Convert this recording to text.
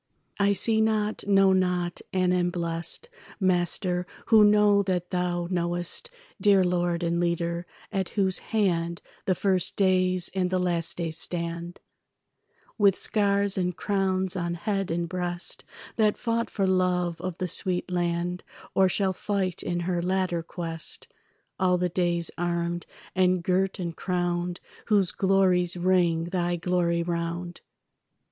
I see not, know not, and am blest, Master, who know that thou knowest, Dear lord and leader, at whose hand The first days and the last days stand, With scars and crowns on head and breast, That fought for love of the sweet land Or shall fight in her latter quest; All the days armed and girt and crowned Whose glories ring thy glory round.